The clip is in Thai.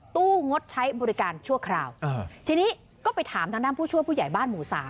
งดใช้บริการชั่วคราวทีนี้ก็ไปถามทางด้านผู้ช่วยผู้ใหญ่บ้านหมู่สาม